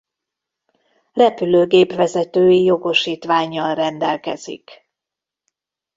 Repülőgép vezetői jogosítvánnyal rendelkezik.